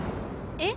えっ？